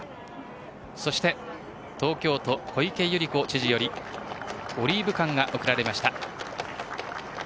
東京都小池百合子知事よりオリーブ冠が贈られました。